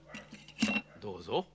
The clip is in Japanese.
どうぞ。